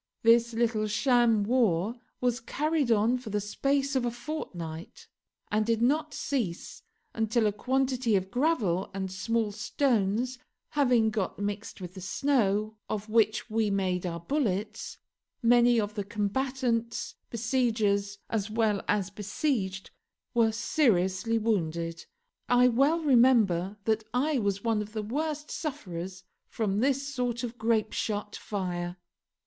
This little sham war was carried on for the space of a fortnight, and did not cease until a quantity of gravel and small stones having got mixed with the snow of which we made our bullets, many of the combatants, besiegers as well as besieged, were seriously wounded. I well remember that I was one of the worst sufferers from this sort of grapeshot fire.